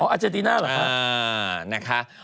อ๋ออาเจนจีน่าเหรอ